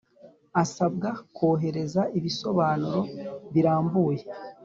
Asabwa kohereza ibisobanuro birambuye